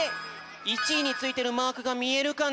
１いについてるマークがみえるかな？